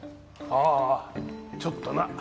ああちょっとな。